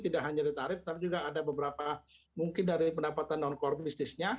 tidak hanya dari tarif tapi juga ada beberapa mungkin dari pendapatan non core business nya